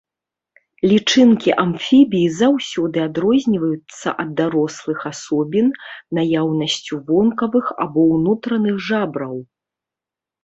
Лічынкі амфібій заўсёды адрозніваюцца ад дарослых асобін наяўнасцю вонкавых або ўнутраных жабраў.